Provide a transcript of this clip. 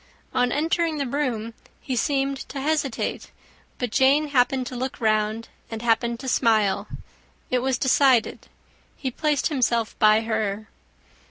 On entering the room, he seemed to hesitate; but Jane happened to look round, and happened to smile: it was decided. He placed himself by her.